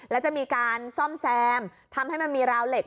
แล้วจะมีการซ่อมแซมทำให้มันมีราวเหล็ก